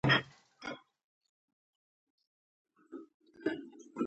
که دي چیري په هنیداره کي سړی وو تېرایستلی.